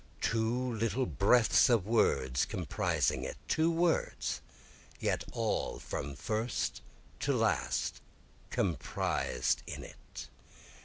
Two little breaths of words comprising it, Two words, yet all from first to last comprised in it.